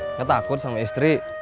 enggak takut sama istri